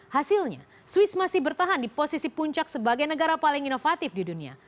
hasilnya swiss masih bertahan di posisi puncak sebagai negara paling inovatif di dunia